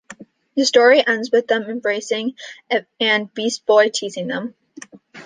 The story ends with them embracing, and Beast Boy teasing them.